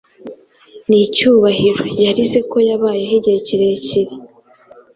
Nicyubahiro, yarize ko yabayeho igihe kirekire